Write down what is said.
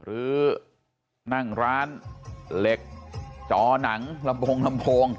หรือนั่งร้านเหล็กจอหนังลำโพงลำโพง